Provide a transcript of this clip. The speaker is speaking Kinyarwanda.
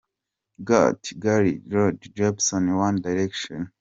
Gotye, Carly Rae Jepsen, One Direction.